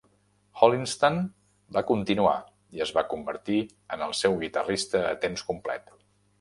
Holliston va continuar i es va convertir en el seu guitarrista a temps complet.